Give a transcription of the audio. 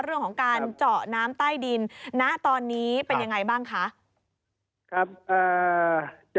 เรื่องของการเจาะน้ำใต้ดินณตอนนี้เป็นยังไงบ้างคะครับอ่า